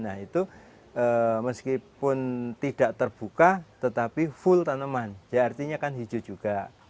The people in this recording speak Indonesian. nah itu meskipun tidak terbuka tetapi full tanaman ya artinya kan hijau juga